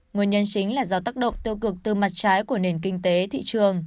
nguyên nhân chính là do tác động tiêu cực từ mặt trái của nền kinh tế thị trường